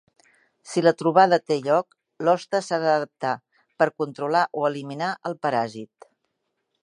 Si la trobada té lloc, l'hoste s'ha d'adaptar per controlar o eliminar el paràsit.